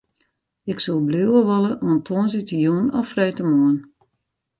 Ik soe bliuwe wolle oant tongersdeitejûn of freedtemoarn.